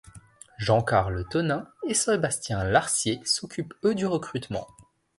Jean-Carl Tonin et Sébastien Larcier s'occupent eux du recrutement.